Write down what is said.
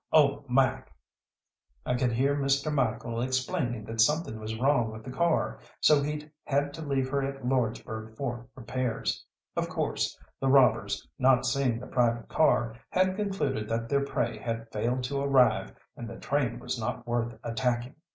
Oh, Mike!" I could hear Mr. Michael explaining that something was wrong with the car, so he'd had to leave her at Lordsburgh for repairs. Of course, the robbers, not seeing the private car, had concluded that their prey had failed to arrive and the train was not worth attacking.